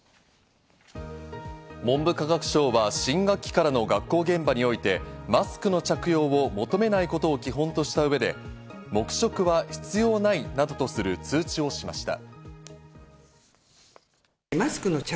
文部科学省は新学期からの学校現場において、マスクの着用を求めないことを基本とした上で、「黙食は必要ない」などとする通知をしました。